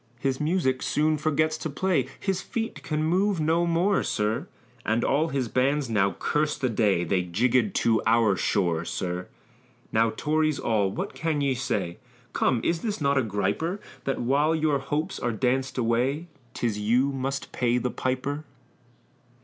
His music soon forgets to play His feet can move no more, sir, And all his bands now curse the day They jiggèd to our shore, sir. Now Tories all, what can ye say? Come is not this a griper, That while your hopes are danced away, 'Tis you must pay the piper?